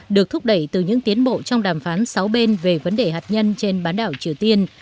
được thúc đẩy từ những tiến bộ trong đàm phán sáu bên về vấn đề hạt nhân trên bán đảo triều tiên